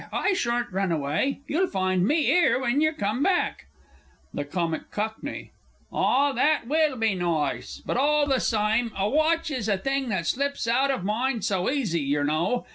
I shorn't run away you'll find me 'ere when yer come back! THE C. C. Ah, that will be noice! But all the sime, a watch is a thing that slips out of mind so easy, yer know.